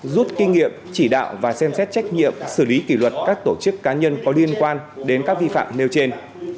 rút kinh nghiệm chỉ đạo và xem xét trách nhiệm xử lý kỷ luật các tổ chức cá nhân có liên quan đến các vi phạm nêu trên